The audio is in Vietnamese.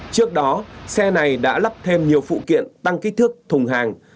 trước đó xe này đã lắp thêm nhiều phụ kiện tăng kích thước thùng hàng